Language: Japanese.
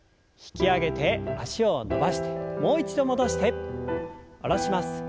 引き上げて脚を伸ばしてもう一度戻して下ろします。